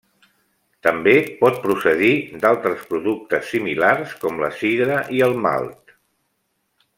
També pot procedir d'altres productes similars com la sidra i el malt.